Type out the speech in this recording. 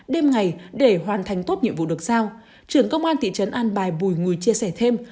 đêm ngày để hoàn thành tốt nhiệm vụ được sao trưởng công an thị trấn an bài bùi ngùi chia sẻ thêm